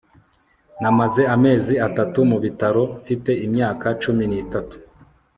Namaze amezi atatu mu bitaro mfite imyaka cumi nitatu